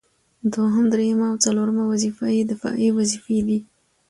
دوهم، دريمه او څلورمه وظيفه يې دفاعي وظيفي دي